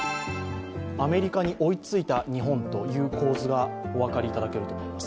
アメリカに追いついた日本という構図がお分かりいただけると思います。